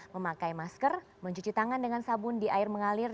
memakai masker mencuci tangan dengan sabun di air mengalir